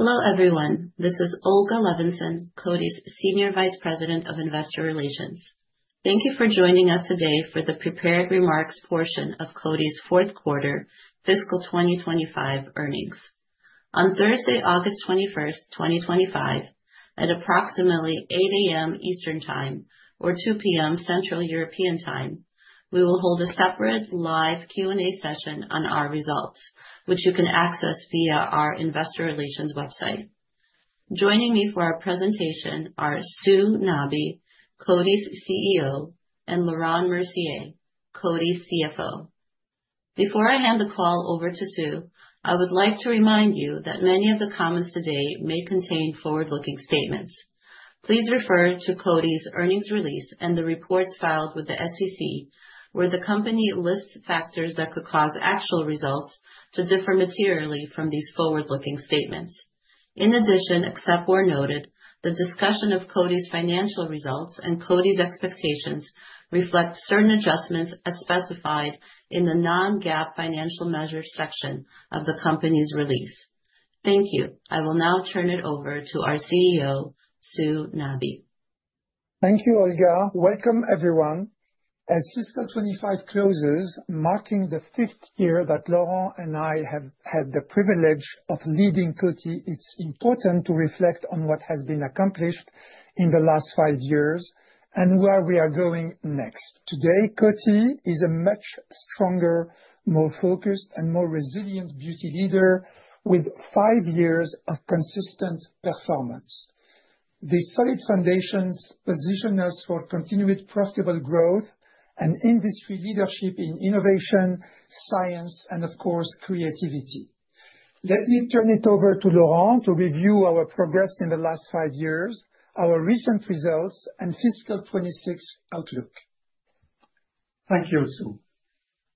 Hello everyone, this is Olga Levinzon, Coty's Senior Vice President of Investor Relations. Thank you for joining us today for the prepared remarks portion of Coty's fourth quarter fiscal 2025 earnings. On Thursday, August 21, 2025, at approximately 8:00 A.M. Eastern Time or 2:00 P.M. Central European Time, we will hold a separate live Q&A session on our results, which you can access via our Investor Relations website. Joining me for our presentation are Sue Nabi, Coty's CEO, and Laurent Mercier, Coty's CFO. Before I hand the call over to Sue, I would like to remind you that many of the comments today may contain forward-looking statements. Please refer to Coty's earnings release and the reports filed with the SEC, where the company lists factors that could cause actual results to differ materially from these forward-looking statements. In addition, except where noted, the discussion of Coty's financial results and Coty's expectations reflect certain adjustments as specified in the non-GAAP financial measures section of the company's release. Thank you. I will now turn it over to our CEO, Sue Nabi. Thank you, Olga. Welcome, everyone. As fiscal 2025 closes, marking the fifth year that Laurent and I have had the privilege of leading Coty, it's important to reflect on what has been accomplished in the last five years and where we are going next. Today, Coty is a much stronger, more focused, and more resilient beauty leader with five years of consistent performance. The solid foundations position us for continued profitable growth and industry leadership in innovation, science, and of course, creativity. Let me turn it over to Laurent to review our progress in the last five years, our recent results, and fiscal 2026 outlook. Thank you, Sue.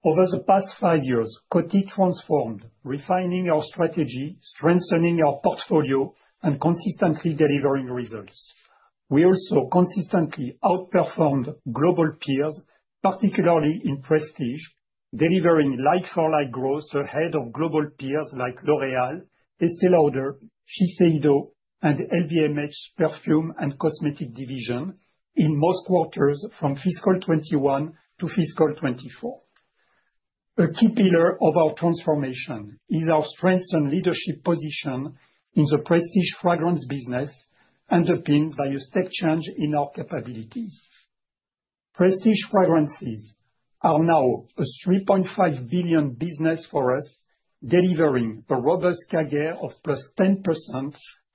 Over the past five years, Coty transformed, refining our strategy, strengthening our portfolio, and consistently delivering results. We also consistently outperformed global peers, particularly in Prestige, delivering like-for-like growth ahead of global peers like L'Oréal, Estée Lauder, Shiseido, and LVMH's perfume and cosmetic division in most quarters from fiscal 2021 to fiscal 2024. A key pillar of our transformation is our strengthened leadership position in the Prestige fragrance business, underpinned by a steep change in our capabilities. Prestige fragrances are now a $3.5 billion business for us, delivering a robust CAGR of +10%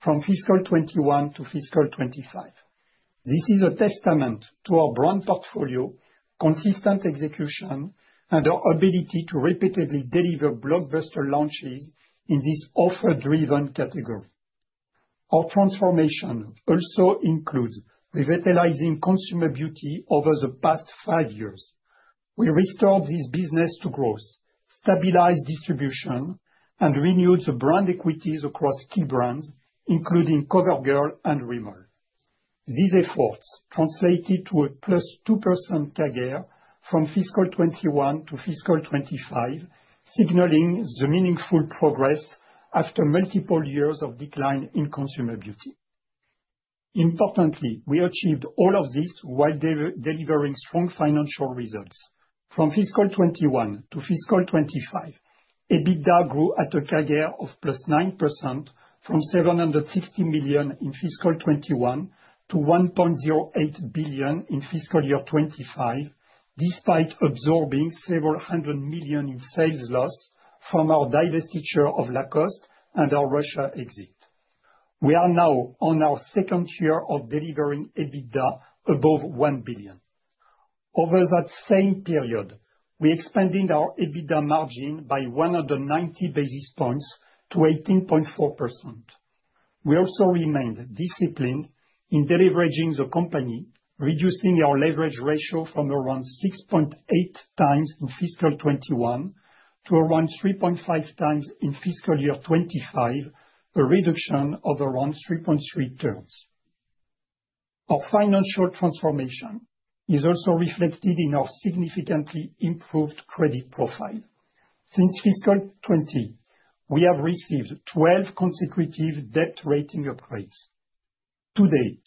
from fiscal 2021 to fiscal 2025. This is a testament to our brand portfolio, consistent execution, and our ability to repeatedly deliver blockbuster launches in this offer-driven category. Our transformation also includes revitalizing consumer beauty over the past five years. We restored this business to growth, stabilized distribution, and renewed the brand equities across key brands, including CoverGirl and Rimmel. These efforts translated to a +2% CAGR from fiscal 2021 to fiscal 2025, signaling the meaningful progress after multiple years of decline in consumer beauty. Importantly, we achieved all of this while delivering strong financial results. From fiscal 2021 to fiscal 2025, EBITDA grew at a CAGR of +9% from $760 million in fiscal 2021 to $1.08 billion in fiscal year 2025, despite absorbing several hundred million in sales loss from our divestiture of Lacoste and our Russia exit. We are now on our second year of delivering EBITDA above $1 billion. Over that same period, we expanded our EBITDA margin by 190 basis points to 18.4%. We also remained disciplined in deliveraging the company, reducing our leverage ratio from around 6.8x in fiscal 2021 to around 3.5x in fiscal year 2025, a reduction of around 3.3x. Our financial transformation is also reflected in our significantly improved credit profile. Since fiscal 2020, we have received 12 consecutive debt rating upgrades. Today,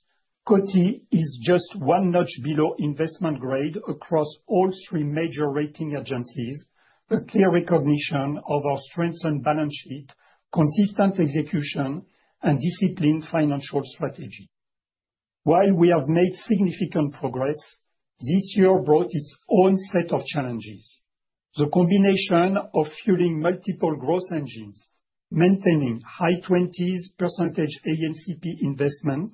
Coty is just one notch below investment grade across all three major rating agencies, a clear recognition of our strengthened balance sheet, consistent execution, and disciplined financial strategy. While we have made significant progress, this year brought its own set of challenges. The combination of fueling multiple growth engines, maintaining high 20s % ANCP investment,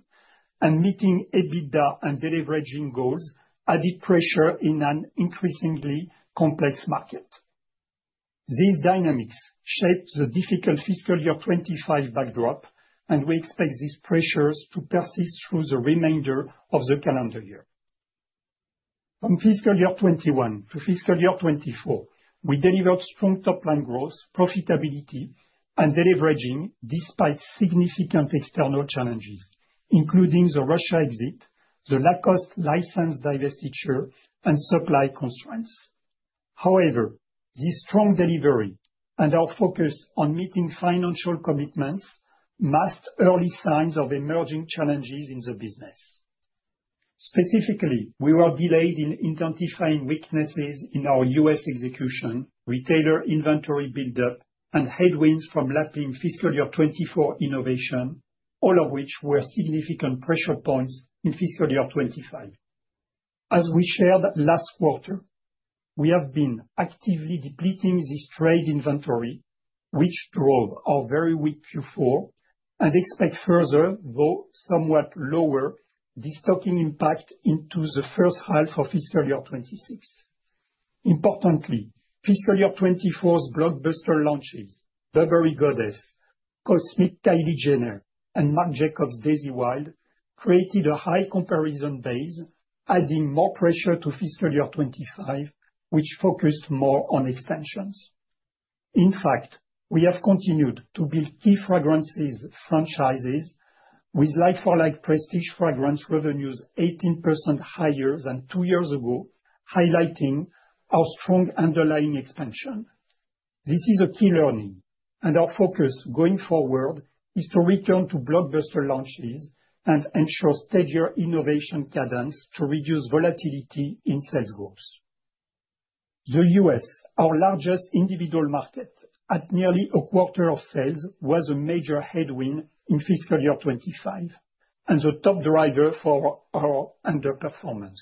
and meeting EBITDA and deliveraging goals added pressure in an increasingly complex market. These dynamics shape the difficult fiscal year 2025 backdrop, and we expect these pressures to persist through the remainder of the calendar year. From fiscal year 2021 to fiscal year 2024, we delivered strong top-line growth, profitability, and deliveraging despite significant external challenges, including the Russia exit, the Lacoste licensed divestiture, and supply constraints. However, this strong delivery and our focus on meeting financial commitments masked early signs of emerging challenges in the business. Specifically, we were delayed in identifying weaknesses in our U.S. execution, retailer inventory buildup, and headwinds from lacking fiscal year 2024 innovation, all of which were significant pressure points in fiscal year 2025. As we shared last quarter, we have been actively depleting this trade inventory, which drove our very weak Q4, and expect further, though somewhat lower, destocking impact into the first half of fiscal year 2026. Importantly, fiscal year 2024's blockbuster launches, Burberry Goddess, Cosmic Kylie Jenner, and Marc Jacobs Daisy Wild, created a high comparison base, adding more pressure to fiscal year 2025, which focused more on expansions. In fact, we have continued to build key fragrance franchises with like-for-like prestige fragrance revenues 18% higher than two years ago, highlighting our strong underlying expansion. This is a key learning, and our focus going forward is to return to blockbuster launches and ensure steadier innovation cadence to reduce volatility in sales growth. The U.S., our largest individual market, at nearly 1/4 of sales, was a major headwind in fiscal year 2025 and the top driver for our underperformance.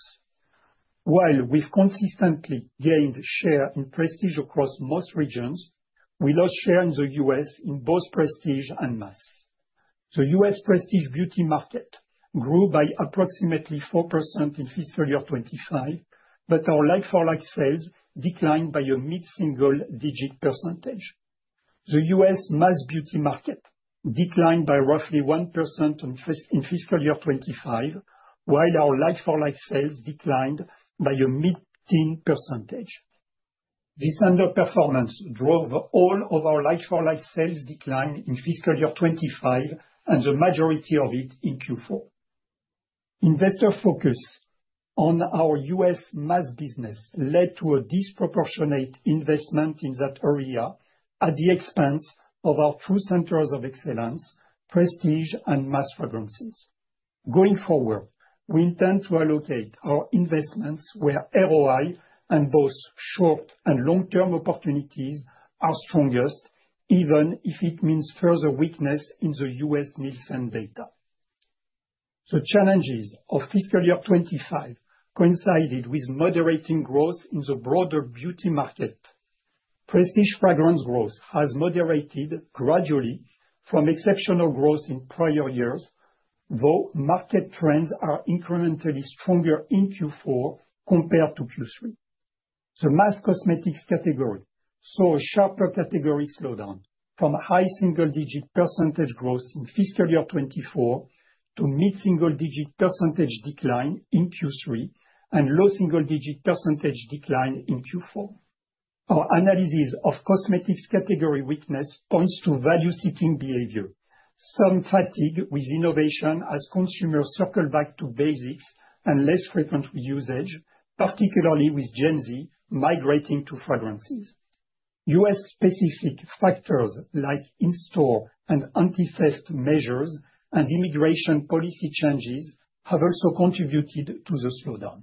While we've consistently gained share in prestige across most regions, we lost share in the U.S. in both Prestige and Mass. The U.S. Prestige Beauty market grew by approximately 4% in fiscal year 2025, but our like-for-like sales declined by a mid-single-digit percentage. The U.S. Mass Beauty market declined by roughly 1% in fiscal year 2025, while our like-for-like sales declined by a mid-10 %. This underperformance drove all of our like-for-like sales decline in fiscal year 2025 and the majority of it in Q4. Investor focus on our U.S. mass business led to a disproportionate investment in that area at the expense of our true centers of excellence, Prestige, and Mass fragrances. Going forward, we intend to allocate our investments where ROI and both short and long-term opportunities are strongest, even if it means further weakness in the U.S. Nielsen data. The challenges of fiscal year 2025 coincided with moderating growth in the broader beauty market. Prestige fragrance growth has moderated gradually from exceptional growth in prior years, though market trends are incrementally stronger in Q4 compared to Q3. The Mass cosmetics category saw a sharper category slowdown, from high single-digit percentage growth in fiscal year 2024 to mid-single-digit percentage decline in Q3 and low single-digit percentage decline in Q4. Our analysis of cosmetics category weakness points to value-seeking behavior, some fatigue with innovation as consumers circle back to basics and less frequent usage, particularly with Gen Z migrating to fragrances. U.S.-specific factors like in-store and anti-theft measures and immigration policy changes have also contributed to the slowdown.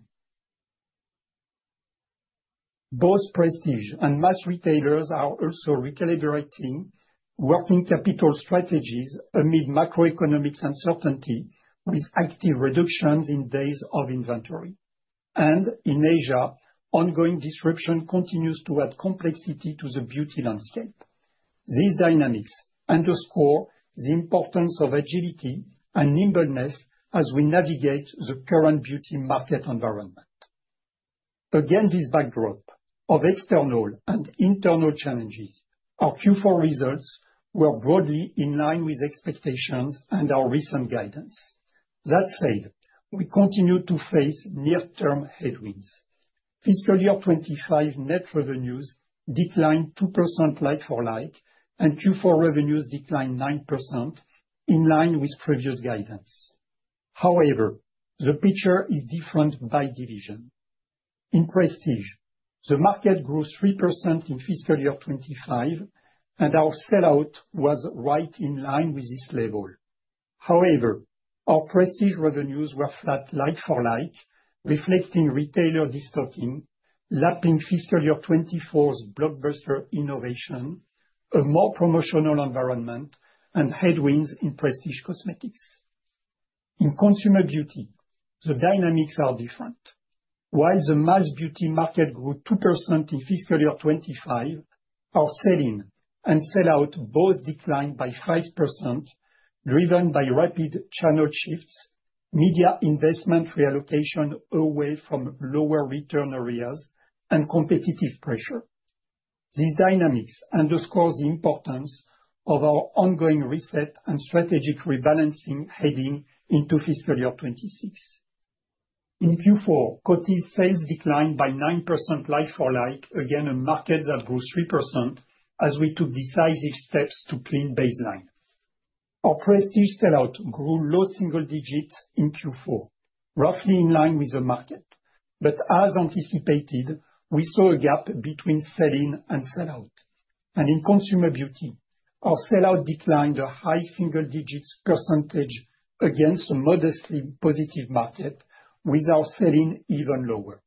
Both prestige and mass retailers are also recalibrating working capital strategies amid macroeconomic uncertainty, with active reductions in days of inventory. In Asia, ongoing disruption continues to add complexity to the beauty landscape. These dynamics underscore the importance of agility and nimbleness as we navigate the current beauty market environment. Against this backdrop of external and internal challenges, our Q4 results were broadly in line with expectations and our recent guidance. That said, we continue to face near-term headwinds. Fiscal year 2025 net revenues declined 2% like for like, and Q4 revenues declined 9% in line with previous guidance. However, the picture is different by division. In prestige, the market grew 3% in fiscal year 2025, and our sell-out was right in line with this level. However, our prestige revenues were flat like-for-like, reflecting retailer destocking, lapping fiscal year 2024's blockbuster innovation, a more promotional environment, and headwinds in prestige cosmetics. In consumer beauty, the dynamics are different. While the Mass Beauty market grew 2% in fiscal year 2025, our sell-in and sell-out both declined by 5%, driven by rapid channel shifts, media investment reallocation away from lower return areas, and competitive pressure. These dynamics underscore the importance of our ongoing reset and strategic rebalancing heading into fiscal year 2026. In Q4, Coty's sales declined by 9% like-for-like, again in a market that grew 3% as we took decisive steps to clean baseline. Our Prestige sell-out grew low single digits in Q4, roughly in line with the market, but as anticipated, we saw a gap between sell-in and sell-out. In consumer beauty, our sell-out declined a high single digits percentage against a modestly positive market, with our sell-in even lower.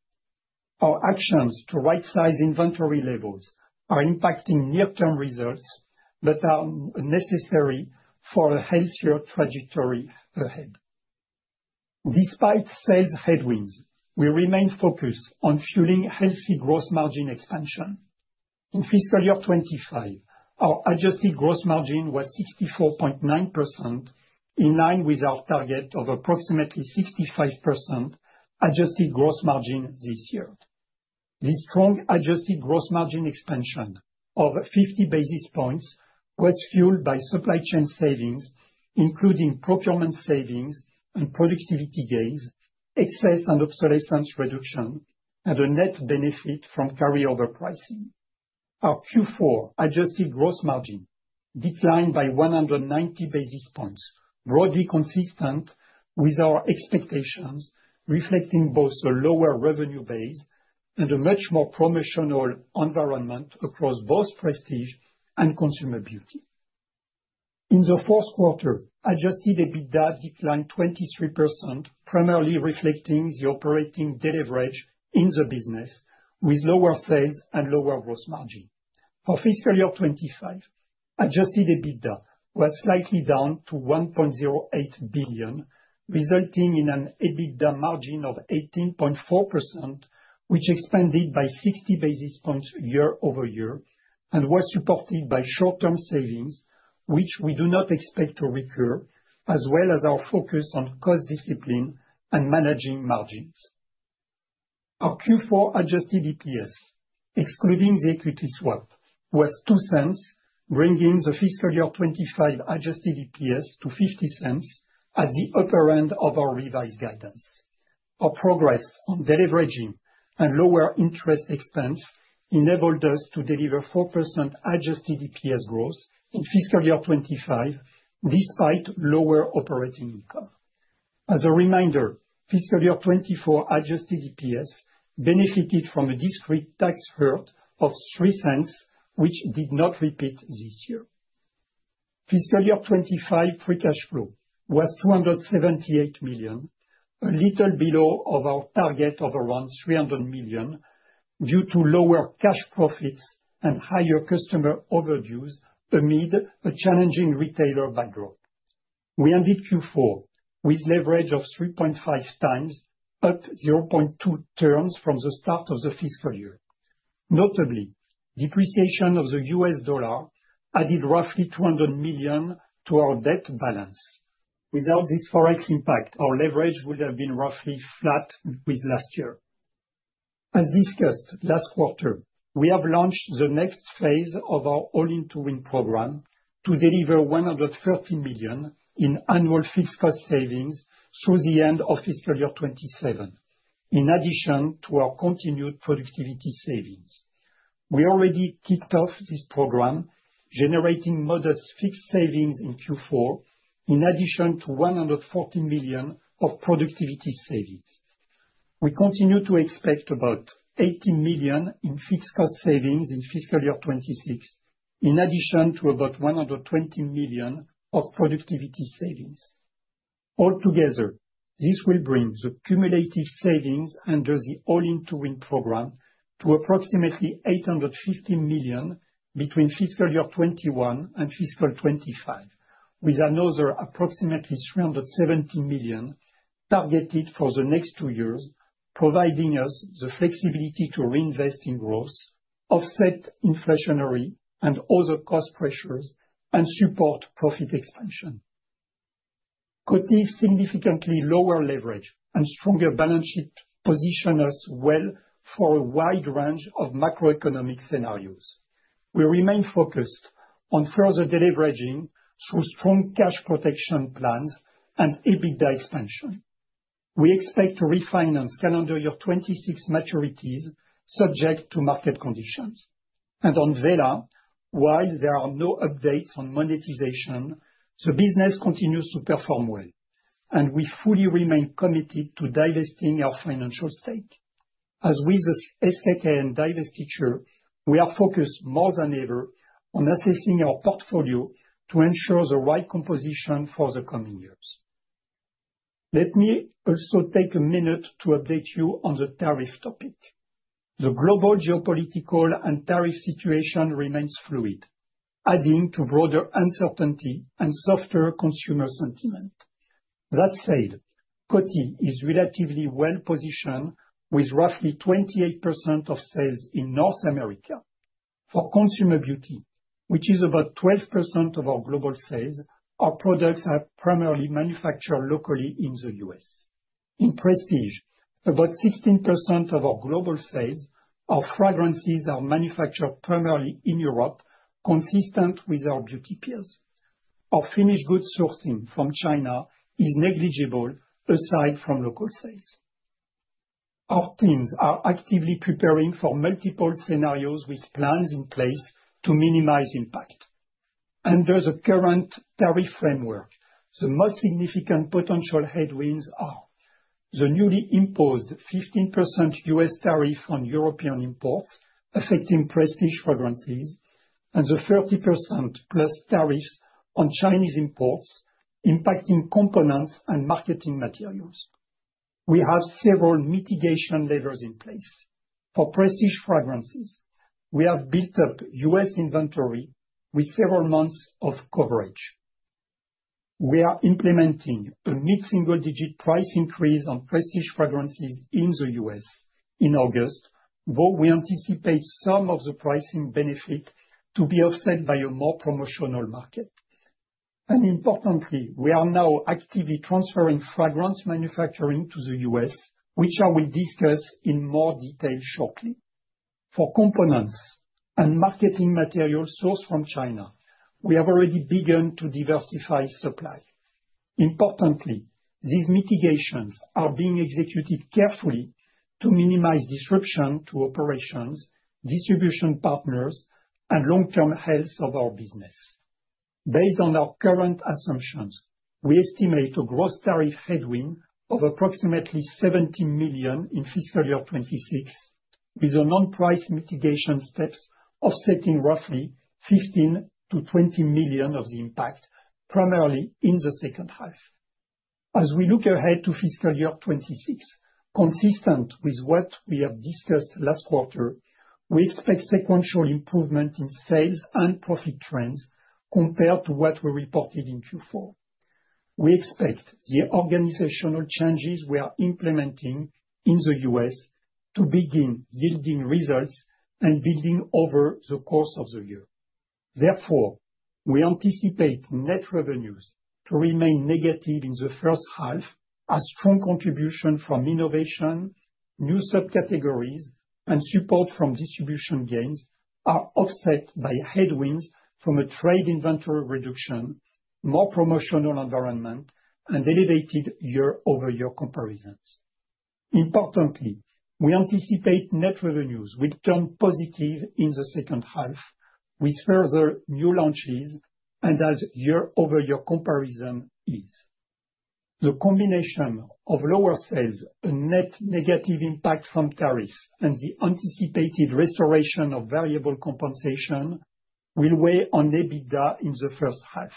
Our actions to right-size inventory levels are impacting near-term results that are necessary for a healthier trajectory ahead. Despite sales headwinds, we remain focused on fueling healthy gross margin expansion. In fiscal year 2025, our adjusted gross margin was 64.9%, in line with our target of approximately 65% adjusted gross margin this year. The strong adjusted gross margin expansion of 50 basis points was fueled by supply chain savings, including procurement savings and productivity gains, excess and obsolescence reduction, and a net benefit from carryover pricing. Our Q4 adjusted gross margin declined by 190 basis points, broadly consistent with our expectations, reflecting both a lower revenue base and a much more promotional environment across both prestige and consumer beauty. In the fourth quarter, adjusted EBITDA declined 23%, primarily reflecting the operating deleverage in the business, with lower sales and lower gross margin. For fiscal year 2025, adjusted EBITDA was slightly down to $1.08 billion, resulting in an EBITDA margin of 18.4%, which expanded by 60 basis points year-over-year and was supported by short-term savings, which we do not expect to recur, as well as our focus on cost discipline and managing margins. Our Q4 adjusted EPS, excluding the equity swap, was $0.02, bringing the fiscal year 2025 adjusted EPS to $0.50 at the upper end of our revised guidance. Our progress on deleveraging and lower interest expense enabled us to deliver 4% adjusted EPS growth in fiscal year 2025, despite lower operating income. As a reminder, fiscal year 2024 adjusted EPS benefited from a discrete tax hurt of $0.03, which did not repeat this year. Fiscal year 2025 free cash flow was $278 million, a little below our target of around $300 million, due to lower cash profits and higher customer overdues amid a challenging retailer backdrop. We ended Q4 with leverage of 3.5x, up 0.2x from the start of the fiscal year. Notably, depreciation of the U.S. dollar added roughly $200 million to our debt balance. Without this forex impact, our leverage would have been roughly flat with last year. As discussed last quarter, we have launched the next phase of our all-in-to-win program to deliver $113 million in annual fixed cost savings through the end of fiscal year 2027, in addition to our continued productivity savings. We already kicked off this program, generating modest fixed savings in Q4, in addition to $114 million of productivity savings. We continue to expect about $18 million in fixed cost savings in fiscal year 2026, in addition to about $120 million of productivity savings. Altogether, this will bring the cumulative savings under the all-in-to-win program to approximately $850 million between fiscal year 2021 and fiscal 2025, with another approximately $370 million targeted for the next two years, providing us the flexibility to reinvest in growth, offset inflationary and other cost pressures, and support profit expansion. Coty's significantly lower leverage and stronger balance sheet position us well for a wide range of macroeconomic scenarios. We remain focused on further deleveraging through strong cash protection plans and EBITDA expansion. We expect to refinance calendar year 2026 maturities subject to market conditions. On Vela, while there are no updates on monetization, the business continues to perform well, and we fully remain committed to divesting our financial stake. As with the SEC and divestiture, we are focused more than ever on assessing our portfolio to ensure the right composition for the coming years. Let me also take a minute to update you on the tariff topic. The global geopolitical and tariff situation remains fluid, adding to broader uncertainty and softer consumer sentiment. That said, Coty is relatively well positioned with roughly 28% of sales in North America. For consumer beauty, which is about 12% of our global sales, our products are primarily manufactured locally in the U.S. In Prestige, about 16% of our global sales, our fragrances are manufactured primarily in Europe, consistent with our beauty peers. Our finished goods sourcing from China is negligible, aside from local sales. Our teams are actively preparing for multiple scenarios with plans in place to minimize impact. Under the current tariff framework, the most significant potential headwinds are the newly imposed 15% U.S. tariff on European imports affecting prestige fragrances and the 30%+ tariffs on Chinese imports impacting components and marketing materials. We have several mitigation levers in place. For prestige fragrances, we have built up U.S. inventory with several months of coverage. We are implementing a mid-single-digit price increase on prestige fragrances in the U.S. in August, though we anticipate some of the pricing benefit to be offset by a more promotional market. Importantly, we are now actively transferring fragrance manufacturing to the U.S., which I will discuss in more detail shortly. For components and marketing materials sourced from China, we have already begun to diversify supply. Importantly, these mitigations are being executed carefully to minimize disruption to operations, distribution partners, and the long-term health of our business. Based on our current assumptions, we estimate a gross tariff headwind of approximately $70 million in fiscal year 2026, with non-price mitigation steps offsetting roughly $15 million-$20 million of the impact, primarily in the second half. As we look ahead to fiscal year 2026, consistent with what we have discussed last quarter, we expect sequential improvement in sales and profit trends compared to what we reported in Q4. We expect the organizational changes we are implementing in the U.S. to begin yielding results and building over the course of the year. Therefore, we anticipate net revenues to remain negative in the first half as strong contributions from innovation, new subcategories, and support from distribution gains are offset by headwinds from a trade inventory reduction, a more promotional environment, and elevated year-over-year comparisons. Importantly, we anticipate net revenues will turn positive in the second half with further new launches and as the year-over-year comparison eases. The combination of lower sales, a net negative impact from tariffs, and the anticipated restoration of variable compensation will weigh on EBITDA in the first half.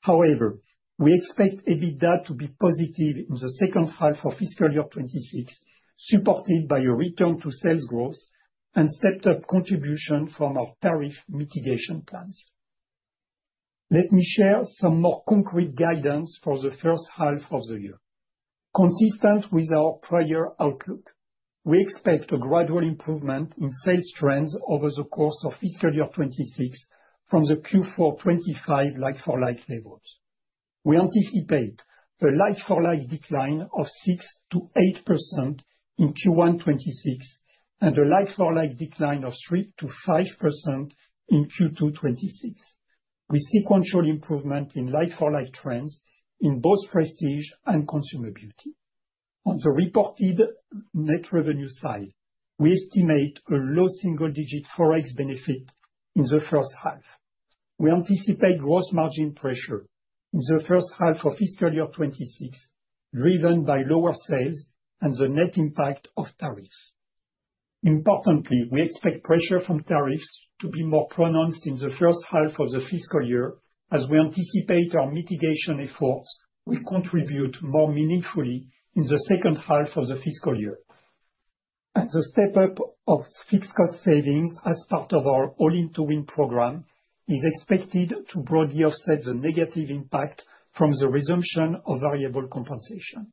However, we expect EBITDA to be positive in the second half of fiscal year 2026, supported by a return to sales growth and stepped-up contribution from our tariff mitigation plans. Let me share some more concrete guidance for the first half of the year. Consistent with our prior outlook, we expect a gradual improvement in sales trends over the course of fiscal year 2026 from the Q4 2025 like-for-like levels. We anticipate a like-for-like decline of 6%-8% in Q1 2026 and a like-for-like decline of 3%-5% in Q2 2026, with sequential improvement in like-for-like trends in both prestige and consumer beauty. On the reported net revenue side, we estimate a low single-digit forex benefit in the first half. We anticipate gross margin pressure in the first half of fiscal year 2026, driven by lower sales and the net impact of tariffs. Importantly, we expect pressure from tariffs to be more pronounced in the first half of the fiscal year, as we anticipate our mitigation efforts will contribute more meaningfully in the second half of the fiscal year. The step-up of fixed cost savings as part of our all-in-to-win program is expected to broadly offset the negative impact from the resumption of variable compensation.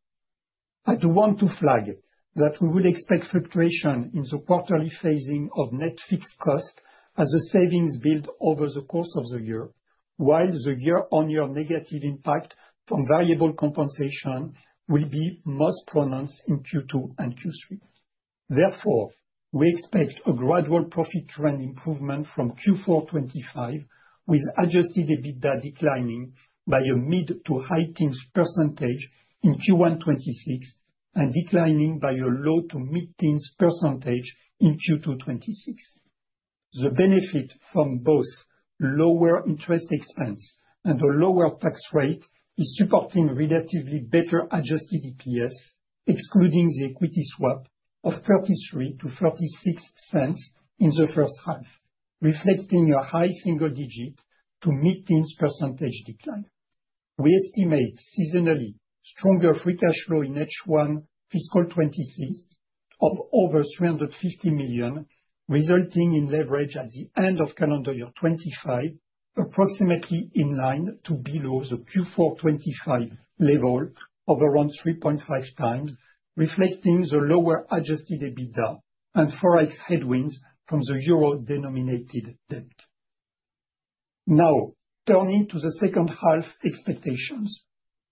I do want to flag that we would expect fluctuation in the quarterly phasing of net fixed cost as the savings build over the course of the year, while the year-on-year negative impact from variable compensation will be most pronounced in Q2 and Q3. Therefore, we expect a gradual profit trend improvement from Q4 2025, with adjusted EBITDA declining by a mid to high-teens percentage in Q1 2026 and declining by a low to mid-teens percentage in Q2 2026. The benefit from both lower interest expense and a lower tax rate is supporting relatively better adjusted EPS, excluding the equity swap of $0.33-$0.36 in the first half, reflecting a high single-digit to mid-teens percentage decline. We estimate seasonally stronger free cash flow in H1 fiscal 2026 of over $350 million, resulting in leverage at the end of calendar year 2025, approximately in line to below the Q4 2025 level of around 3.5x, reflecting the lower adjusted EBITDA and forex headwinds from the euro-denominated debt. Now, turning to the second half expectations,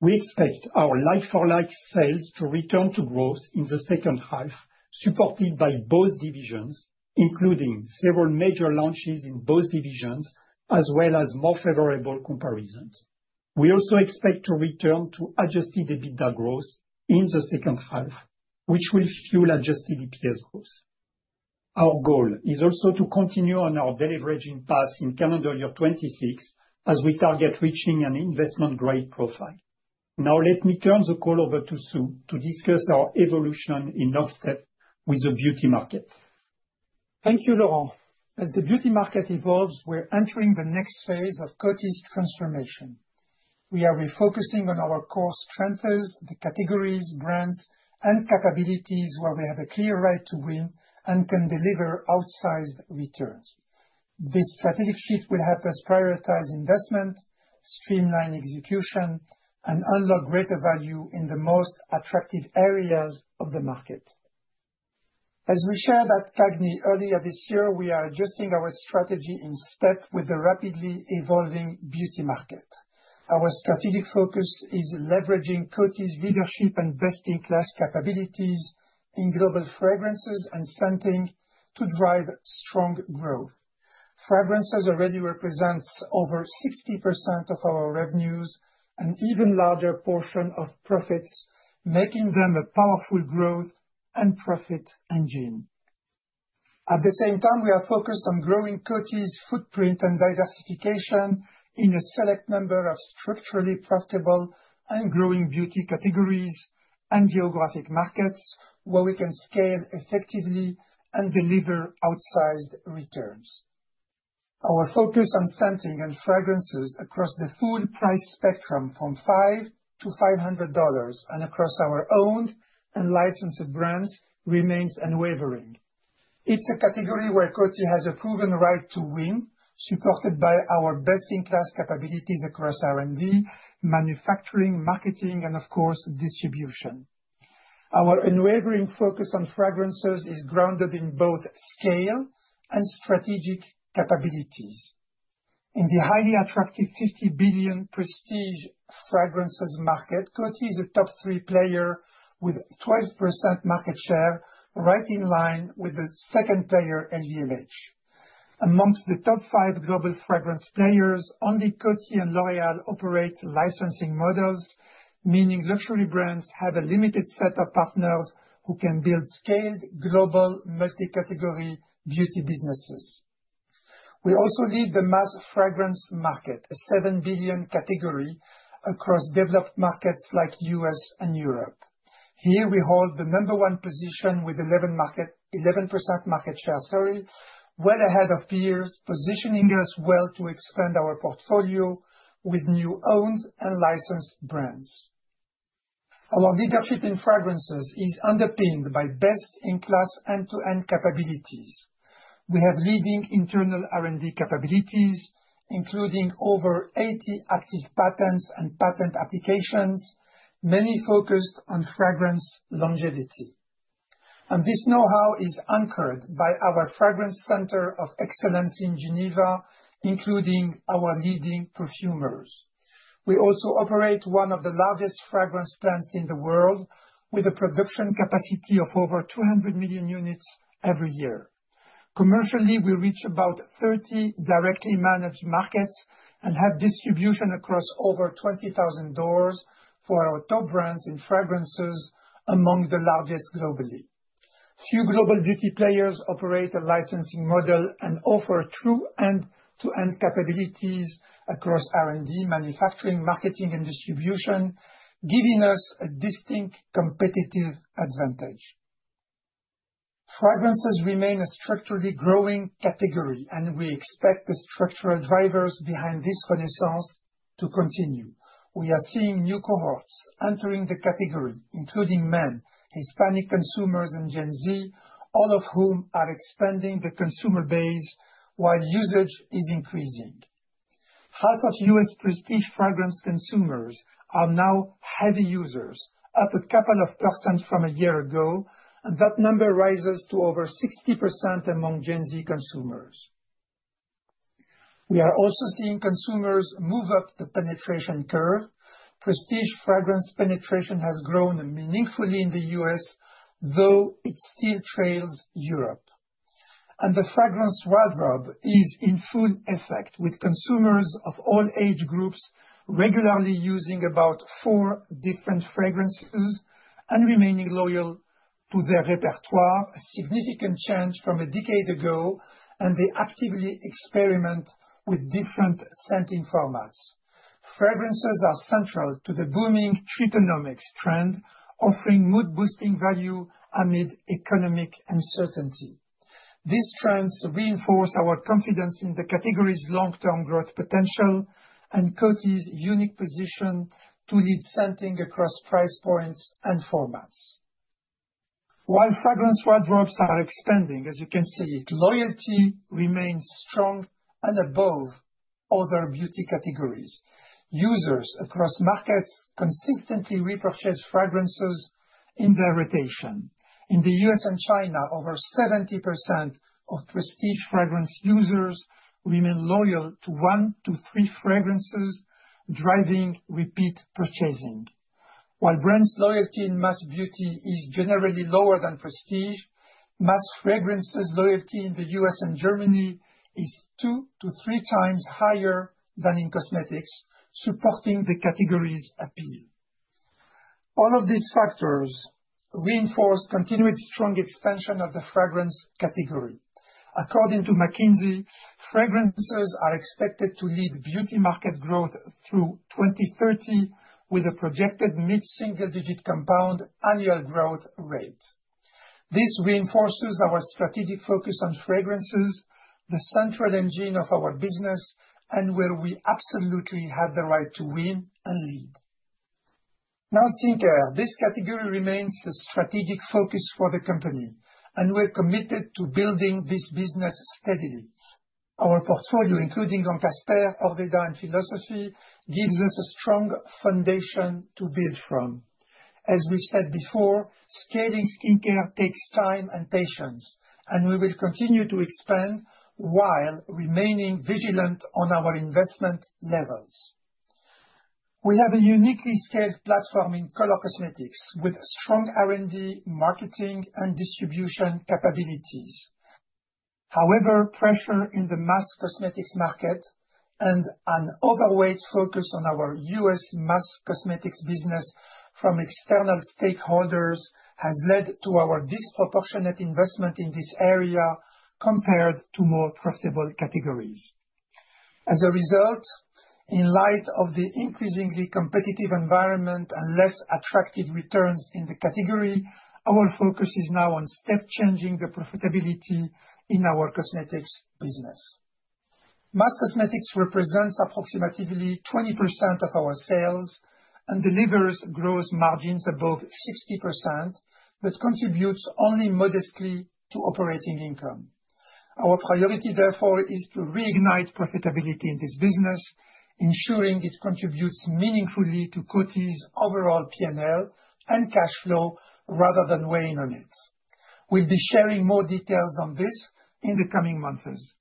we expect our like-for-like sales to return to growth in the second half, supported by both divisions, including several major launches in both divisions, as well as more favorable comparisons. We also expect to return to adjusted EBITDA growth in the second half, which will fuel adjusted EPS growth. Our goal is also to continue on our deliveraging path in calendar year 2026, as we target reaching an investment-grade profile. Now, let me turn the call over to Sue to discuss our evolution in North America with the beauty market. Thank you, Laurent. As the beauty market evolves, we're entering the next phase of Coty's transformation. We are refocusing on our core strengths, the categories, brands, and capabilities where we have a clear right to win and can deliver outsized returns. This strategic shift will help us prioritize investment, streamline execution, and unlock greater value in the most attractive areas of the market. As we shared at Cagney earlier this year, we are adjusting our strategy in step with the rapidly evolving beauty market. Our strategic focus is leveraging Coty's leadership and best-in-class capabilities in global fragrances and scenting to drive strong growth. Fragrances already represent over 60% of our revenues and an even larger portion of profits, making them a powerful growth and profit engine. At the same time, we are focused on growing Coty's footprint and diversification in a select number of structurally profitable and growing beauty categories and geographic markets where we can scale effectively and deliver outsized returns. Our focus on scenting and fragrances across the full price spectrum from $5-$500 and across our owned and licensed brands remains unwavering. It's a category where Coty has a proven right to win, supported by our best-in-class capabilities across R&D, manufacturing, marketing, and of course, distribution. Our unwavering focus on fragrances is grounded in both scale and strategic capabilities. In the highly attractive $50 billion Prestige fragrances market, Coty is a top three player with 12% market share, right in line with the second player LVMH. Amongst the top five global fragrance players, only Coty and L'Oréal operate licensing models, meaning luxury brands have a limited set of partners who can build scaled global multi-category beauty businesses. We also lead the mass fragrance market, a $7 billion category across developed markets like the U.S. and Europe. Here, we hold the number one position with 11% market share, well ahead of peers, positioning us well to expand our portfolio with new owned and licensed brands. Our leadership in fragrances is underpinned by best-in-class end-to-end capabilities. We have leading internal R&D capabilities, including over 80 active patents and patent applications, mainly focused on fragrance longevity. This know-how is anchored by our fragrance center of excellence in Geneva, including our leading perfumers. We also operate one of the largest fragrance plants in the world, with a production capacity of over 200 million units every year. Commercially, we reach about 30 directly managed markets and have distribution across over $20,000 for our top brands in fragrances, among the largest globally. Few global beauty players operate a licensing model and offer true end-to-end capabilities across R&D, manufacturing, marketing, and distribution, giving us a distinct competitive advantage. Fragrances remain a structurally growing category, and we expect the structural drivers behind this renaissance to continue. We are seeing new cohorts entering the category, including men, Hispanic consumers, and Gen Z, all of whom are expanding the consumer base while usage is increasing. Half of U.S. prestige fragrance consumers are now heavy users, up a couple of percent from a year ago, and that number rises to over 60% among Gen Z consumers. We are also seeing consumers move up the penetration curve. Prestige fragrance penetration has grown meaningfully in the U.S., though it still trails Europe. The fragrance wardrobe is in full effect, with consumers of all age groups regularly using about four different fragrances and remaining loyal to their repertoire, a significant change from a decade ago, and they actively experiment with different scenting formats. Fragrances are central to the booming futonomics trend, offering mood-boosting value amid economic uncertainty. These trends reinforce our confidence in the category's long-term growth potential and Coty's unique position to lead scenting across price points and formats. While fragrance wardrobes are expanding, as you can see, loyalty remains strong and above other beauty categories. Users across markets consistently repurchase fragrances in their rotation. In the U.S. and China, over 70% of Prestige fragrance users remain loyal to one to three fragrances, driving repeat purchasing. While brand loyalty in mass beauty is generally lower than prestige, mass fragrances' loyalty in the U.S. and Germany is two to 3x higher than in cosmetics, supporting the category's appeal. All of these factors reinforce continued strong expansion of the fragrance category. According to McKinsey, fragrances are expected to lead beauty market growth through 2030, with a projected mid-single-digit compound annual growth rate. This reinforces our strategic focus on fragrances, the central engine of our business, and where we absolutely have the right to win and lead. Now, skincare. This category remains a strategic focus for the company, and we're committed to building this business steadily. Our portfolio, including Lancaster, Orveda, and Philosophy, gives us a strong foundation to build from. As we've said before, scaling skincare takes time and patience, and we will continue to expand while remaining vigilant on our investment levels. We have a uniquely scaled platform in color cosmetics, with strong R&D, marketing, and distribution capabilities. However, pressure in the mass cosmetics market and an overweight focus on our U.S. Mass cosmetics business from external stakeholders has led to our disproportionate investment in this area compared to more profitable categories. As a result, in light of the increasingly competitive environment and less attractive returns in the category, our focus is now on step-changing the profitability in our cosmetics business. Mass cosmetics represents approximately 20% of our sales and delivers gross margins above 60%, but contributes only modestly to operating income. Our priority, therefore, is to reignite profitability in this business, ensuring it contributes meaningfully to Coty's overall P&L and cash flow rather than weighing on it. We'll be sharing more details on this in the coming months.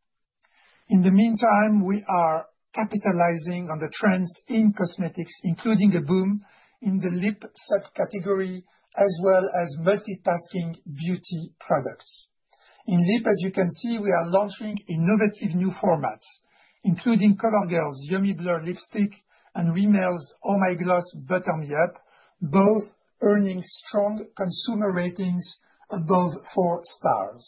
In the meantime, we are capitalizing on the trends in cosmetics, including a boom in the lip subcategory, as well as multitasking beauty products. In lip, as you can see, we are launching innovative new formats, including CoverGirl's Yummy Blur lipstick and Rimmel's Oh My Gloss Butter Me Up, both earning strong consumer ratings above four stars.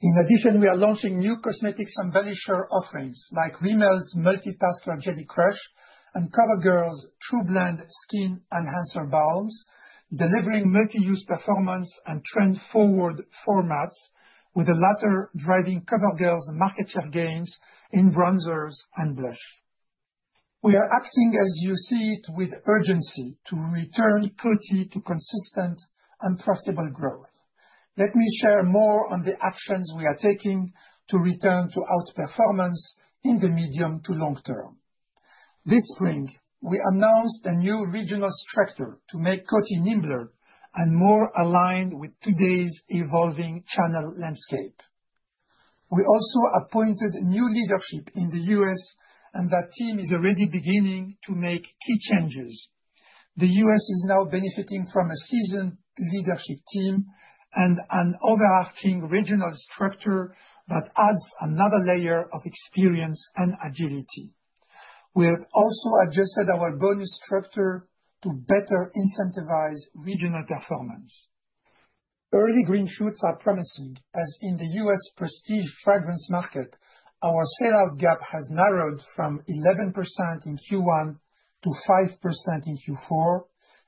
In addition, we are launching new cosmetics and vanisher offerings, like Rimmel's Multitask Magic Crush and CoverGirl's TruBlend Skin Enhancer Balms, delivering multi-use performance and trend-forward formats, with the latter driving CoverGirl's market share gains in bronzers and blush. We are acting, as you see it, with urgency to return Coty to consistent and profitable growth. Let me share more on the actions we are taking to return to outperformance in the medium to long term. This spring, we announced a new regional structure to make Coty nimble and more aligned with today's evolving channel landscape. We also appointed new leadership in the U.S., and that team is already beginning to make key changes. The U.S. is now benefiting from a seasoned leadership team and an overarching regional structure that adds another layer of experience and agility. We have also adjusted our bonus structure to better incentivize regional performance. Early green shoots are promising, as in the U.S. Prestige fragrance market, our sale-out gap has narrowed from 11% in Q1 to 5% in Q4,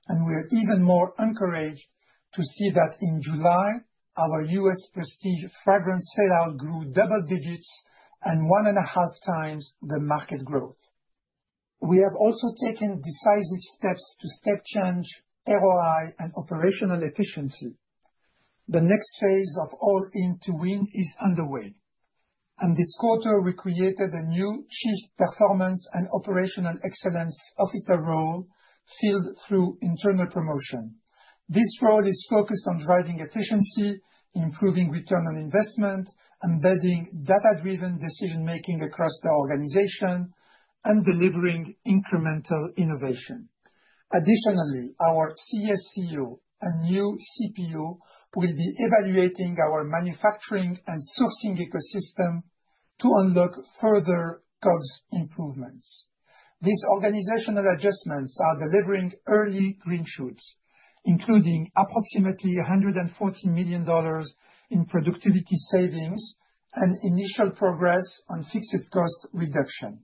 and we're even more encouraged to see that in July, our U.S. Prestige fragrance sale-out grew double digits and 1.5x the market growth. We have also taken decisive steps to step change ROI and operational efficiency. The next phase of all-in-to-win is underway. This quarter, we created a new Chief Performance and Operational Excellence Officer role filled through internal promotion. This role is focused on driving efficiency, improving return on investment, embedding data-driven decision-making across the organization, and delivering incremental innovation. Additionally, our CSCO and new CPO will be evaluating our manufacturing and sourcing ecosystem to unlock further cost improvements. These organizational adjustments are delivering early green shoots, including approximately $114 million in productivity savings and initial progress on fixed cost reduction.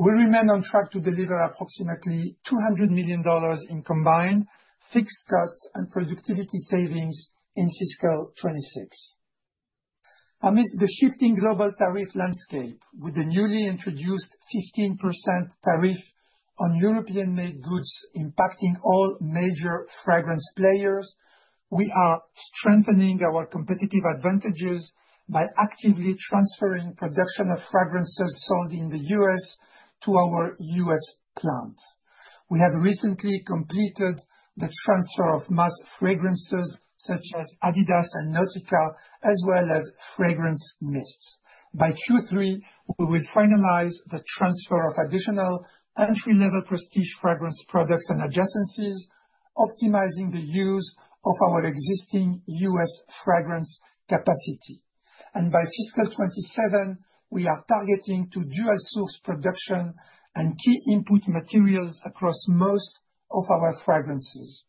We remain on track to deliver approximately $200 million in combined fixed costs and productivity savings in fiscal 2026. Amidst the shifting global tariff landscape, with the newly introduced 15% tariff on European-made goods impacting all major fragrance players, we are strengthening our competitive advantages by actively transferring production of fragrances sold in the U.S. to our U.S. plants. We have recently completed the transfer of mass fragrances such as Adidas and Nautica, as well as fragrance mists. By Q3, we will finalize the transfer of additional entry-level prestige fragrance products and adjustments, optimizing the use of our existing U.S. fragrance capacity. By fiscal 2027, we are targeting to dual-source production and key input materials across most of our fragrances.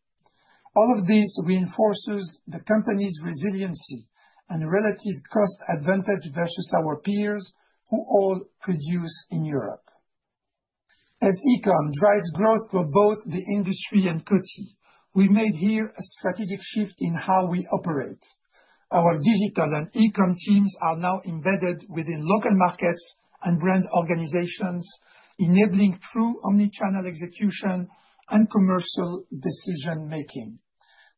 All of this reinforces the company's resiliency and relative cost advantage versus our peers who all produce in Europe. As e-comm drives growth for both the industry and Coty, we've made here a strategic shift in how we operate. Our digital and e-comm teams are now embedded within local markets and brand organizations, enabling true omnichannel execution and commercial decision-making.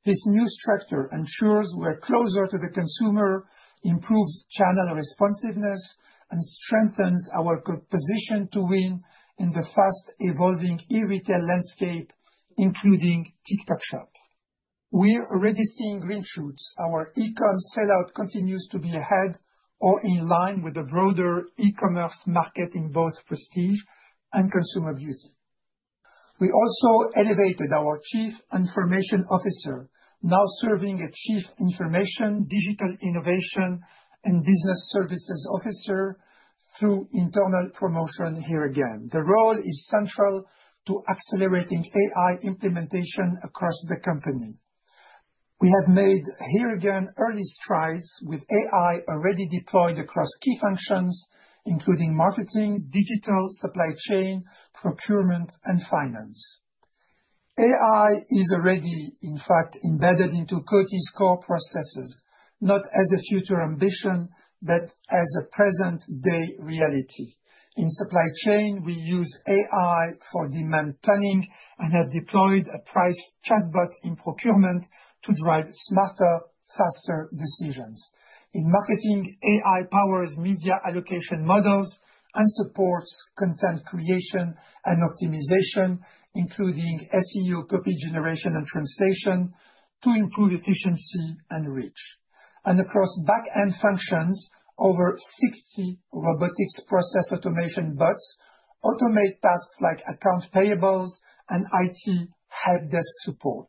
This new structure ensures we're closer to the consumer, improves channel responsiveness, and strengthens our position to win in the fast-evolving e-retail landscape, including TikTok Shop. We're already seeing green shoots. Our e-comm sale-out continues to be ahead or in line with the broader e-commerce market in both prestige and consumer beauty. We also elevated our Chief Information Officer, now serving as the Chief Information, Digital Innovation, and Business Services Officer, through internal promotion here again. The role is central to accelerating AI implementation across the company. We have made here again early strides with AI already deployed across key functions, including marketing, digital supply chain, procurement, and finance. AI is already, in fact, embedded into Coty's core processes, not as a future ambition, but as a present-day reality. In supply chain, we use AI for demand planning and have deployed a price chatbot in procurement to drive smarter, faster decisions. In marketing, AI powers media allocation models and supports content creation and optimization, including SEO, copy generation, and translation to improve efficiency and reach. Across backend functions, over 60 robotics process automation bots automate tasks like account payables and IT helpdesk support.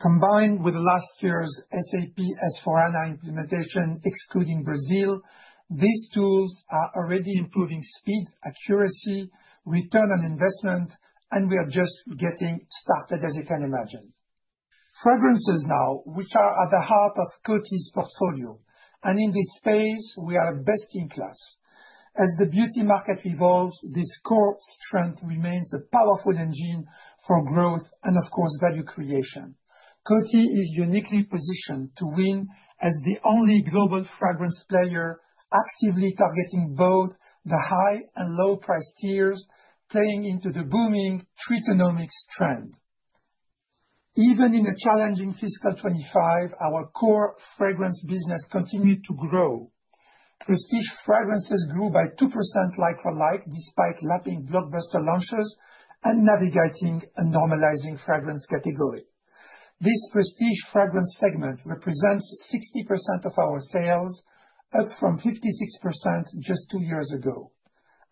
Combined with last year's SAP S/4HANA implementation, excluding Brazil, these tools are already improving speed, accuracy, return on investment, and we are just getting started, as you can imagine. Fragrances now, which are at the heart of Coty's portfolio, and in this phase, we are best in class. As the beauty market evolves, this core strength remains a powerful engine for growth and, of course, value creation. Coty is uniquely positioned to win as the only global fragrance player, actively targeting both the high and low price tiers, playing into the booming futonomics trend. Even in a challenging fiscal 2025, our core fragrance business continued to grow. Prestige fragrances grew by 2% like for like, despite lapping blockbuster fragrance launches and navigating a normalizing fragrance category. This Prestige fragrance segment represents 60% of our sales, up from 56% just two years ago.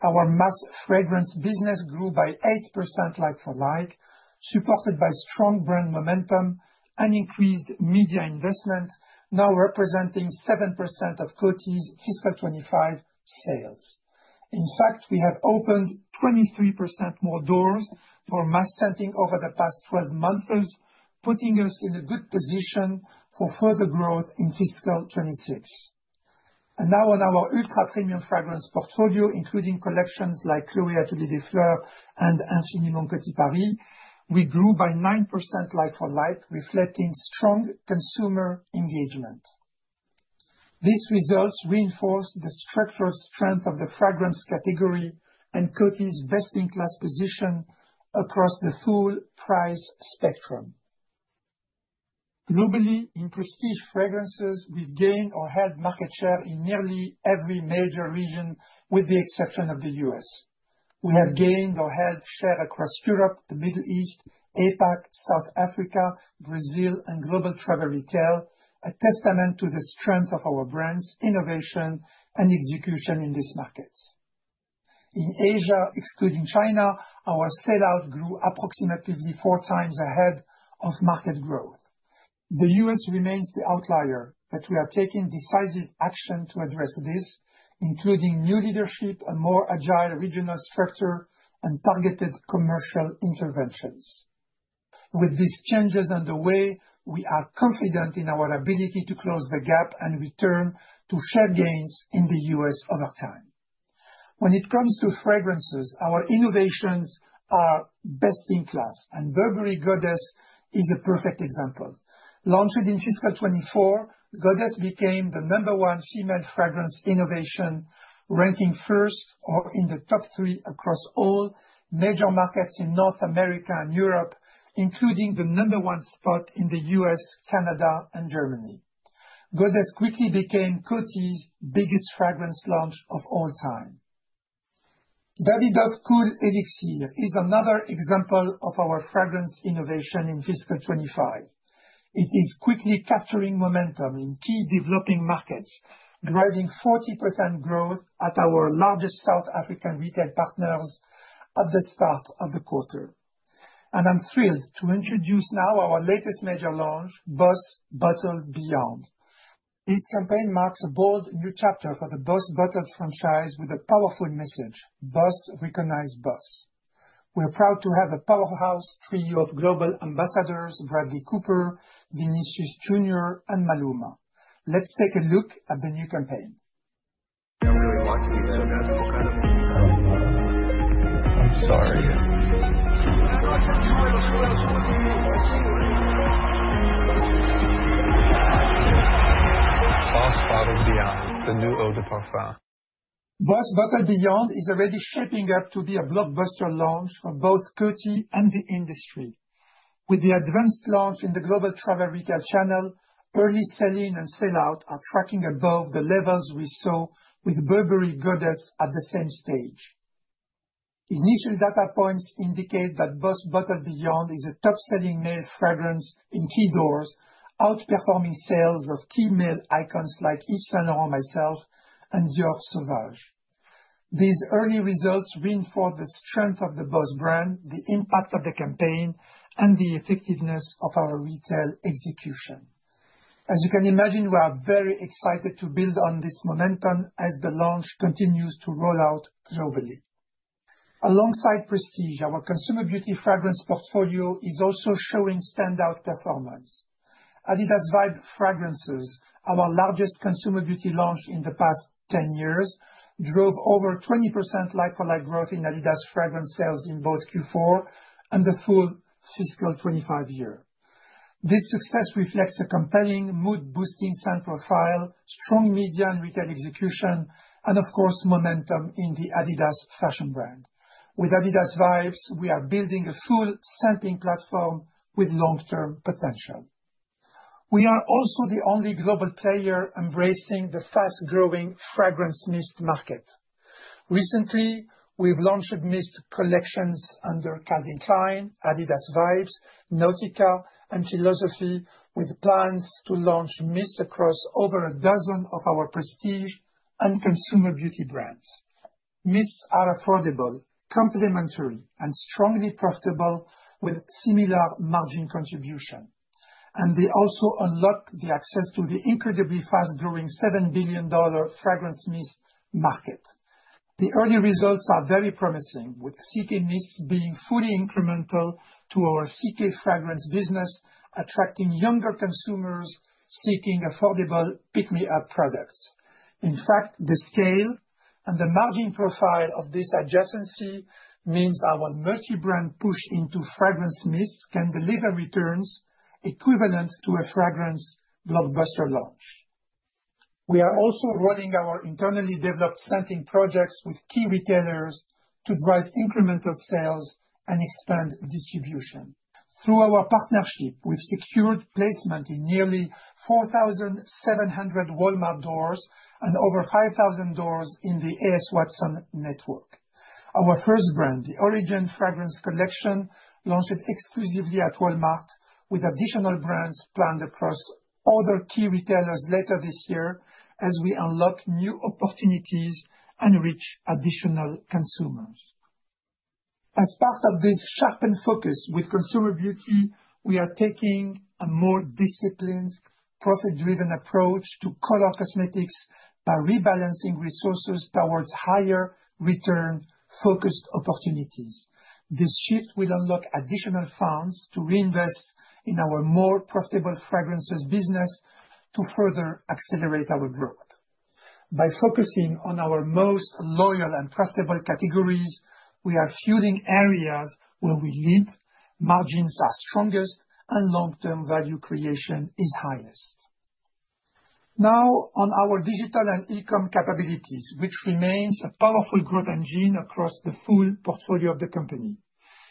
Our Mass fragrance business grew by 8% like-for-like, supported by strong brand momentum and increased media investment, now representing 7% of Coty's fiscal 2025 sales. In fact, we have opened 23% more doors for mass scenting over the past 12 months, putting us in a good position for further growth in fiscal 2026. Now, on our ultra-premium fragrance portfolio, including collections like [Gloria to Défleur] and [Infini] Mon Petit Paris, we grew by 9% like-for-like, reflecting strong consumer engagement. These results reinforce the structural strength of the fragrance category and Coty's best-in-class position across the full price spectrum. Globally, in prestige fragrances, we've gained or held market share in nearly every major region, with the exception of the U.S. We have gained or held share across Europe, the Middle East, APAC, South Africa, Brazil, and global travel retail, a testament to the strength of our brands, innovation, and execution in these markets. In Asia, excluding China, our sale-out grew approximately 4x ahead of market growth. The U.S. remains the outlier, but we are taking decisive action to address this, including new leadership, a more agile regional structure, and targeted commercial interventions. With these changes underway, we are confident in our ability to close the gap and return to share gains in the U.S. over time. When it comes to fragrances, our innovations are best in class, and Burberry Goddess is a perfect example. Launched in fiscal 2024, Burberry Goddess became the number one female fragrance innovation, ranking first or in the top three across all major markets in North America and Europe, including the number one spot in the U.S., Canada, and Germany. Burberry quickly became Coty's biggest fragrance launch of all time. Baby Dove Cool Elixir is another example of our fragrance innovation in fiscal 2025. It is quickly capturing momentum in key developing markets, driving 40% growth at our largest South African retail partners at the start of the quarter. I'm thrilled to introduce now our latest major launch, BOSS Bottled Beyond. This campaign marks a bold new chapter for the BOSS Bottled franchise with a powerful message: BOSS recognize BOSS. We're proud to have a powerhouse trio of global ambassadors, Bradley Cooper, Vinicius Jr., and Maluma. Let's take a look at the new campaign. BOSS Bottled Beyond, the new olfactory profile. BOSS Bottled Beyond is already shaping up to be a blockbuster launch for both Coty and the industry. With the advanced launch in the global travel retail channel, early selling and sale-out are tracking above the levels we saw with Burberry Goddess at the same stage. Initial data points indicate that BOSS Bottled Beyond is a top-selling male fragrance in key doors, outperforming sales of key male icons like Yves Saint Laurent Myself and Dior Sauvage. These early results reinforce the strength of the BOSS brand, the impact of the campaign, and the effectiveness of our retail execution. As you can imagine, we are very excited to build on this momentum as the launch continues to roll out globally. Alongside Prestige, our Consumer Beauty fragrance portfolio is also showing standout performance. Adidas Vibes fragrances, our largest consumer beauty launch in the past 10 years, drove over 20% like-for-like growth in Adidas fragrance sales in both Q4 and the full fiscal 2025 year. This success reflects a compelling mood-boosting scent profile, strong median retail execution, and of course, momentum in the Adidas fashion brand. With Adidas Vibes, we are building a full scenting platform with long-term potential. We are also the only global player embracing the fast-growing fragrance mist market. Recently, we've launched mist collections under Calvin Klein, Adidas Vibes, Nautica, and Philosophy, with plans to launch mists across over a dozen of our prestige and consumer beauty brands. Mists are affordable, complementary, and strongly profitable with similar margin contributions. They also unlock the access to the incredibly fast-growing $7 billion fragrance mist market. The early results are very promising, with CK Mists being fully incremental to our CK fragrance business, attracting younger consumers seeking affordable pick-me-up products. In fact, the scale and the margin profile of this adjacency means our multi-brand push into fragrance mists can deliver returns equivalent to a fragrance blockbuster launch. We are also running our internally developed scenting projects with key retailers to drive incremental sales and expand distribution. Through our partnership, we've secured placement in nearly 4,700 Walmart doors and over 5,000 doors in the AS Watson network. Our first brand, the Origen fragrance collection, launches exclusively at Walmart, with additional brands planned across other key retailers later this year as we unlock new opportunities and reach additional consumers. As part of this sharpened focus with Consumer Beauty, we are taking a more disciplined, profit-driven approach to color cosmetics by rebalancing resources towards higher return-focused opportunities. This shift will unlock additional funds to reinvest in our more profitable fragrances business to further accelerate our growth. By focusing on our most loyal and profitable categories, we are fueling areas where we lead, margins are strongest, and long-term value creation is highest. Now, on our digital and e-comm capabilities, which remain a powerful growth engine across the full portfolio of the company.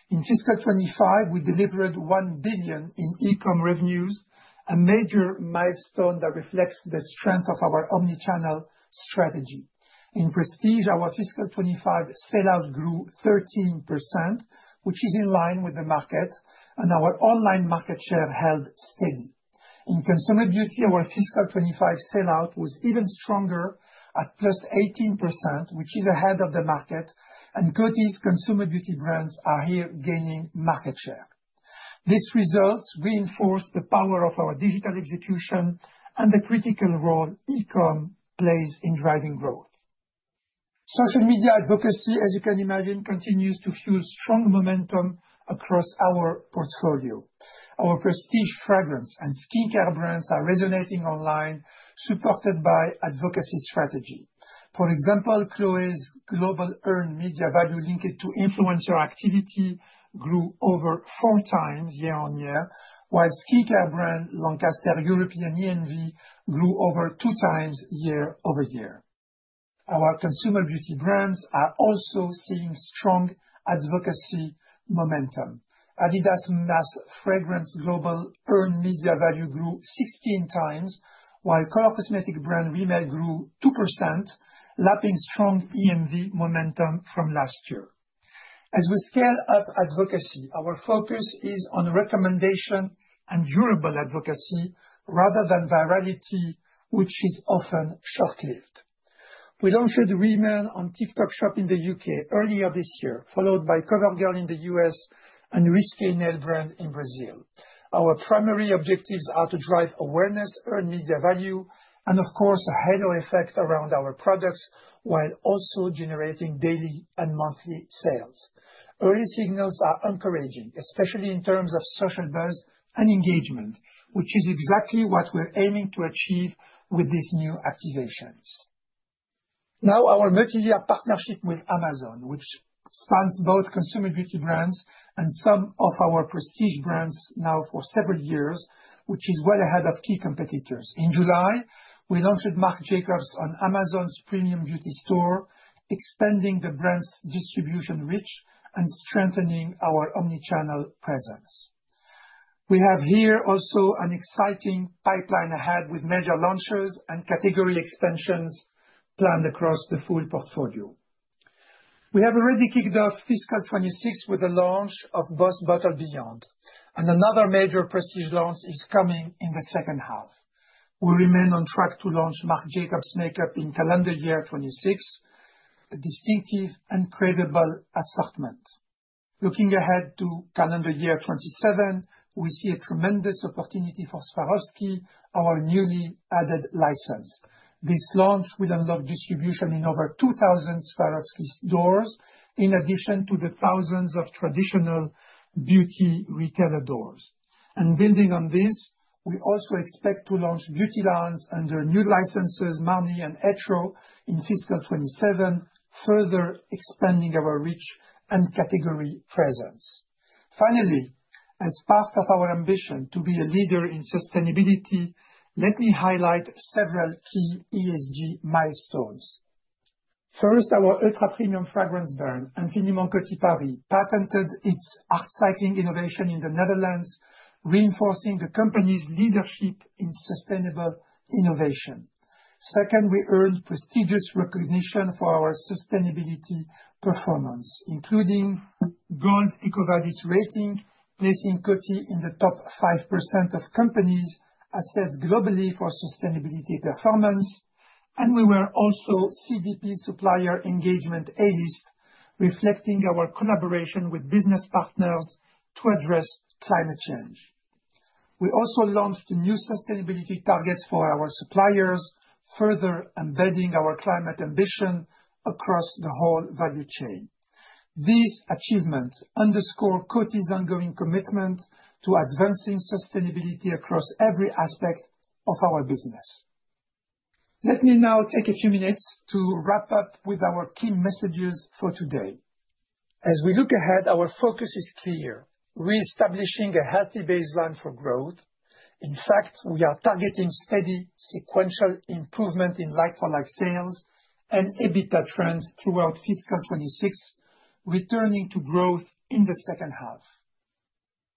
In fiscal 2025, we delivered $1 billion in e-comm revenues, a major milestone that reflects the strength of our omnichannel strategy. In prestige, our fiscal 2025 sale-out grew 13%, which is in line with the market, and our online market share held steady. In Consumer Beauty, our fiscal 2025 sale-out was even stronger at 18%, which is ahead of the market, and Coty's Consumer Beauty brands are here gaining market share. These results reinforce the power of our digital execution and the critical role e-comm plays in driving growth. Social media advocacy, as you can imagine, continues to fuel strong momentum across our portfolio. Our prestige fragrance and skincare brands are resonating online, supported by advocacy strategy. For example, Chloé's global earned media value linked to influencer activity grew over 4x year-on-year, while skincare brand Lancaster European EMV grew over 2x year-over-year. Our Consumer Beauty brands are also seeing strong advocacy momentum. Adidas Mass Fragrance global earned media value grew 16x, while Color Cosmetics brand Rimmel grew 2%, lapping strong EMV momentum from last year. As we scale up advocacy, our focus is on recommendation and durable advocacy rather than virality, which is often short-lived. We launched Rimmel and TikTok Shop in the U.K. earlier this year, followed by CoverGirl in the U.S. and Risqué brand in Brazil. Our primary objectives are to drive awareness, earned media value, and of course, a halo effect around our products while also generating daily and monthly sales. Early signals are encouraging, especially in terms of social buzz and engagement, which is exactly what we're aiming to achieve with these new activations. Now, our multi-year partnership with Amazon, which spans both consumer beauty brands and some of our prestige brands now for several years, is well ahead of key competitors. In July, we launched Marc Jacobs on Amazon's premium beauty store, expanding the brand's distribution reach and strengthening our omnichannel presence. We have here also an exciting pipeline ahead with major launches and category extensions planned across the full portfolio. We have already kicked off fiscal 2026 with the launch of BOSS Bottled Beyond, and another major prestige launch is coming in the second half. We remain on track to launch Marc Jacobs makeup in calendar year 2026, a distinctive and credible assortment. Looking ahead to calendar year 2027, we see a tremendous opportunity for Swarovski, our newly added license. This launch will unlock distribution in over 2,000 Swarovski doors, in addition to the thousands of traditional beauty retailer doors. Building on this, we also expect to launch beauty lines under new licenses Marni and ETRO in fiscal 2027, further expanding our reach and category presence. Finally, as part of our ambition to be a leader in sustainability, let me highlight several key ESG milestones. First, our ultra-premium fragrance brand, Infini Mon Petit Paris, patented its upcycling innovation in the Netherlands, reinforcing the company's leadership in sustainable innovation. Second, we earned prestigious recognition for our sustainability performance, including a Gold EcoVadis rating, placing Coty in the top 5% of companies assessed globally for sustainability performance. We were also CDP Supplier Engagement A-list, reflecting our collaboration with business partners to address climate change. We also launched new sustainability targets for our suppliers, further embedding our climate ambition across the whole value chain. These achievements underscore Coty's ongoing commitment to advancing sustainability across every aspect of our business. Let me now take a few minutes to wrap up with our key messages for today. As we look ahead, our focus is clear: reestablishing a healthy baseline for growth. In fact, we are targeting steady sequential improvement in like-for-like sales and EBITDA trends throughout fiscal 2026, returning to growth in the second half.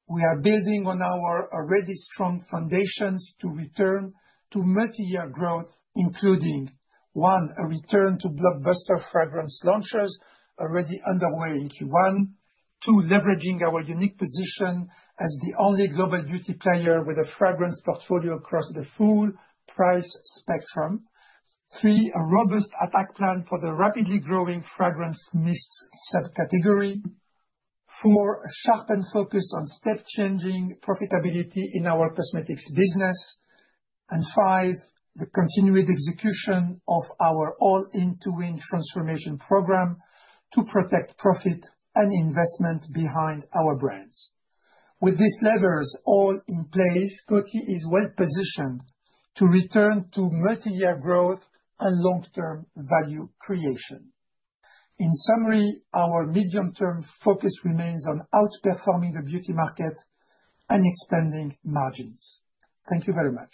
We are building on our already strong foundations to return to multi-year growth, including: one, a return to blockbuster fragrance launches already underway in Q1; two, leveraging our unique position as the only global beauty player with a fragrance portfolio across the full price spectrum; three, a robust attack plan for the rapidly growing fragrance mists subcategory; four, a sharpened focus on step-changing profitability in our cosmetics business; and five, the continued execution of our all-in-to-win transformation program to protect profit and investment behind our brands. With these levers all in place, Coty is well-positioned to return to multi-year growth and long-term value creation. In summary, our medium-term focus remains on outperforming the beauty market and expanding margins. Thank you very much.